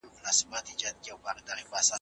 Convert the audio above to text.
خپلې تجربې په عملي توګه څو ځله تکرار کړئ.